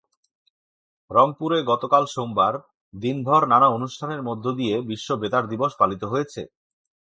রংপুরে গতকাল সোমবার দিনভর নানা অনুষ্ঠানের মধ্য দিয়ে বিশ্ব বেতার দিবস পালিত হয়েছে।